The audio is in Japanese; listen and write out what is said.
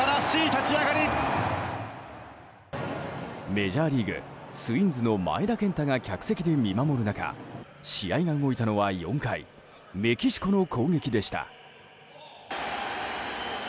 メジャーリーグツインズの前田健太が客席で見守る中試合が動いたのは４回メキシコの攻撃でした。